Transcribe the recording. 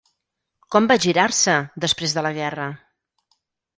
Com va girar-se, després de la guerra!